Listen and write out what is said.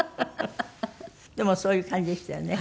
でもそういう感じでしたよね。